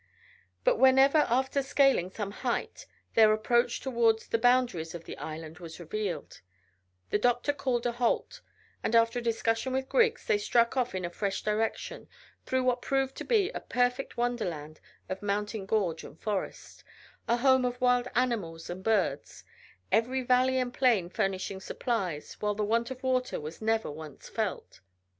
But whenever after scaling some height their approach towards the boundaries of the island was revealed, the doctor called a halt, and after a discussion with Griggs they struck off in a fresh direction through what proved to be a perfect wonderland of mountain gorge and forest, the home of wild animals and birds, every valley and plain furnishing supplies, while the want of water was never once felt.